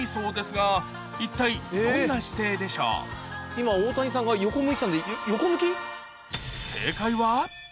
今大谷さんが横向いてたんで。